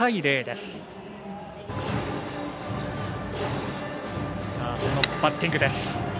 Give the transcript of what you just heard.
そのバッティングです。